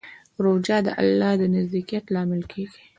روژه د الله د نزدېکت لامل کېږي.